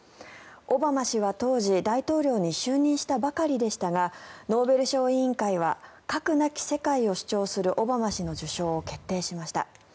オバマ氏は当時、大統領に就任したばかりでしたがノーベル賞委員会は核なき世界を主張するオバマ氏の受賞を決定しました。